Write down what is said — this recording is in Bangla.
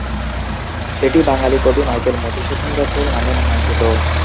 এটি বাঙালি কবি মাইকেল মধুসূদন দত্তের নামে নামাঙ্কিত।